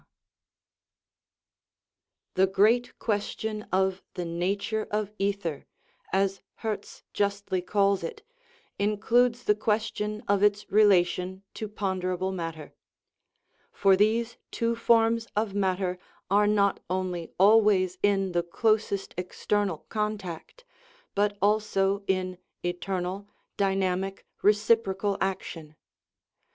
228 THE LAW OF SUBSTANCE " The great question of the nature of ether," as Hertz justly calls it, includes the question of its re lation to ponderable matter; for these two forms of matter are not only always in the closest external con tact, but also in eternal, dynamic, reciprocal action.